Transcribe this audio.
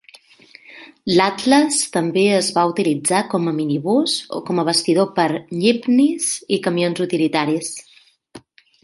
L'Atles també es va utilitzar com a minibús o com a bastidor per yipnis i camions utilitaris.